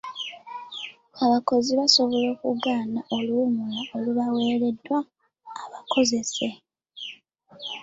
Abakozi basobola okugaana oluwummula olubaweereddwa abakozesa.